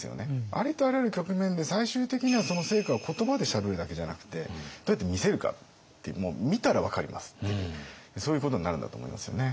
ありとあらゆる局面で最終的にはその成果を言葉でしゃべるだけじゃなくてどうやって見せるかってもう見たら分かりますっていうそういうことになるんだと思いますよね。